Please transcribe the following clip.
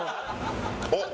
おっ！